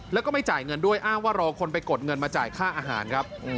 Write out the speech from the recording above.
แล้วก็ไม่จ่ายเงินด้วยอ้างว่ารอคนไปกดเงินมาจ่ายค่าอาหารครับ